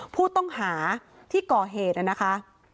ผู้ต้องหาที่ก่อเหตุนะคะ